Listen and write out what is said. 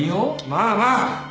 まあまあ。